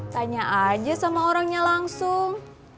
tanya aja sama orangnya langsung